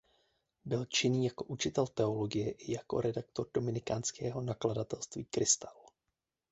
Byl činný jako učitel teologie i jako redaktor dominikánského nakladatelství Krystal.